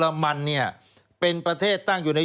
สวัสดีค่ะต้อนรับคุณบุษฎี